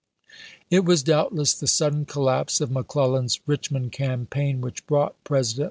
It was doubtless the sudden collapse of McClel lan's Richmond campaign which brought President 1862.